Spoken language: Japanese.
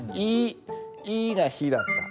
「い」が「ひ」だった。